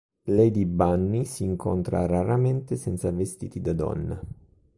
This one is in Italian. Lady Bunny si incontra raramente senza vestiti da donna.